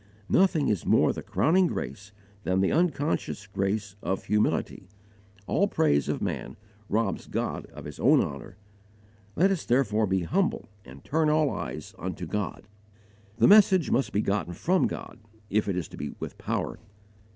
Nothing is more the crowning grace than the unconscious grace of humility. All praise of man robs God of His own honour. Let us therefore be humble and turn all eyes unto God. The message must be gotten from God, if it is to be with power.